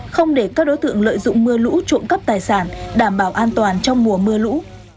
không để các đối tượng lợi dụng mưa lũ trộm cắp tài sản đảm bảo an toàn trong mùa mưa lũ